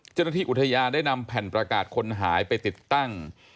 จนจะที่อุทยานได้นำแผ่นประกาศคนนู้นหายไปติดตั้ง